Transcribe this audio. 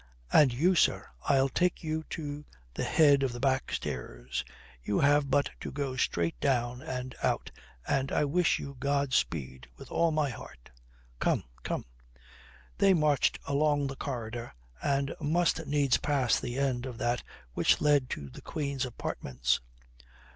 And you, sir, I'll take you to the head of the back stairs. You have but to go straight down and out, and I wish you God speed with all my heart. Come, come!" They marched along the corridor and must needs pass the end of that which led to the Queen's apartments.